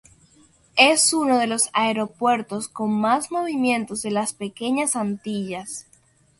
Es uno de los aeropuertos con más movimientos de las Pequeñas Antillas.